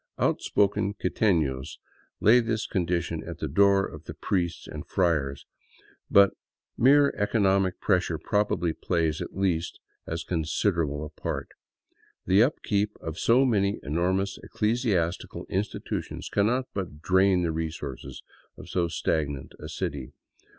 Out spoken quitenos lay this condition at the door of the priests and friars, but mere economic pressure probably plays at least as considerable a art. The up keep of so many enormous ecclesiastical institutions annot but drain the resources of so stagnant a city.